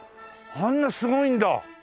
あんなすごいんだ！